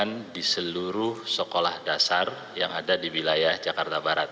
pendidikan di seluruh sekolah dasar yang ada di wilayah jakarta barat